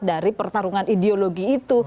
dari pertarungan ideologi itu